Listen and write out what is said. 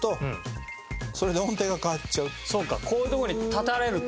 そうかこういうとこに立たれると。